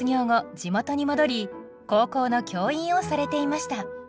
地元に戻り高校の教員をされていました。